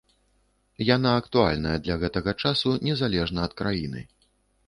Яна актуальная для гэтага часу незалежна ад краіны.